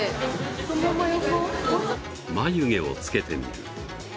眉毛をつけてみる。